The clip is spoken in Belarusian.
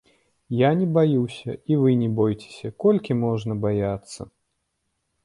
Я не баюся, і вы не бойцеся, колькі можна баяцца?